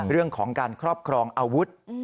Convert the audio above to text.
เรื่องของการครอบครองอาวุธ